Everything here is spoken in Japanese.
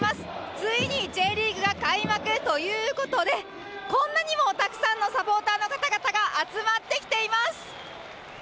ついにＪリーグが開幕ということでこんなにもたくさんのサポーターの方々が集まってきています。